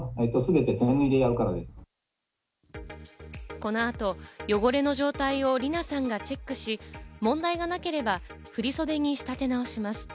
この後、汚れの状態をりなさんがチェックし、問題がなければ振り袖に仕立て直します。